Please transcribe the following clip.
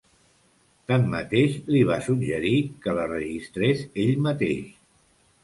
Tanmateix, li va suggerir que la registrés ell mateix.